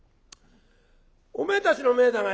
おめえたちの前だがよ